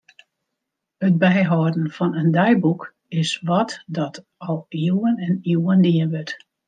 It byhâlden fan in deiboek is wat dat al iuwen en iuwen dien wurdt.